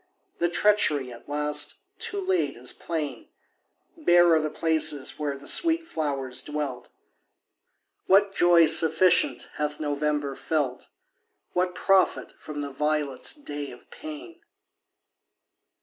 The treachery, at last, too late, is plain; Bare are the places where the sweet flowers dwelt. What joy sufficient hath November felt? What profit from the violet's day of pain?